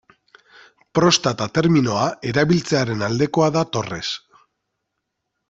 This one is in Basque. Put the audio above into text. Prostata terminoa erabiltzearen aldekoa da Torres.